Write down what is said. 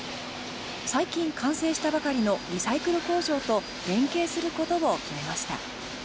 最近完成したばかりのリサイクル工場と連携することを決めました。